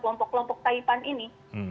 kelompok kelompok taipan ini